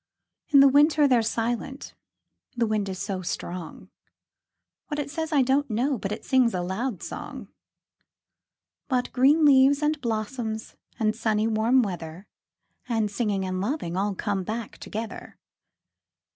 In the winter they're silent the wind is so strong; What it says, I don't know, but it sings a loud song. But green leaves, and blossoms, and sunny warm weather, 5 And singing, and loving all come back together.